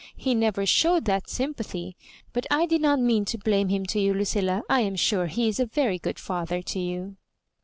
He never showed that sympathy — ^but I did not mean to blame him to you, Lucilla. I am sure he is a very good father to you."